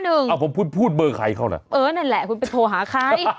เอาผมพูดเบอร์ใครเขาน่ะเออนั่นแหละคุณไปโทรหาใคร